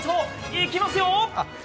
行きますよ！！